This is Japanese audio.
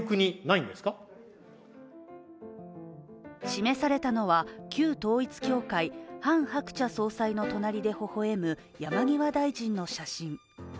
示されたのは、旧統一教会ハン・ハクチャ総裁の隣でほほ笑む山際大臣の写真。